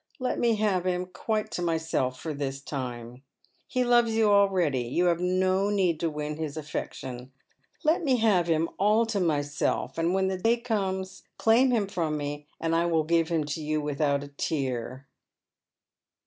" Let me have him quite to myself for this time. He loves you already, you have no need to win his affection. Let me have him all to myself, %nd when the day comes claim him fi om me, and I will give hin? lo you without a tear."